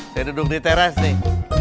saya duduk di teras nih